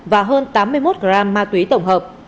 và hơn tám mươi một gram ma túy tổng hợp